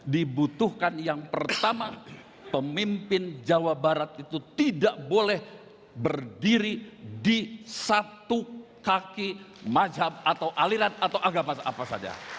dibutuhkan yang pertama pemimpin jawa barat itu tidak boleh berdiri di satu kaki mazhab atau aliran atau agama apa saja